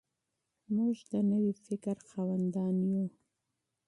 موږ د نوي فکر خاوندان یو.